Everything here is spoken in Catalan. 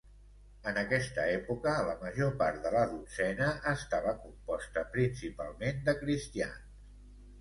En aquesta època, la major part de la Dotzena estava composta principalment de cristians.